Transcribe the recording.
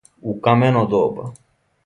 У камено доба.